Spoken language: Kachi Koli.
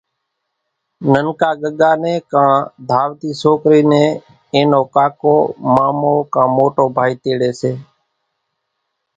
ننڪا ڳڳا نين ڪان ڌاوڻي سوڪري نين اين نو ڪاڪو مامو ڪان موٽو ڀائي تيڙي سي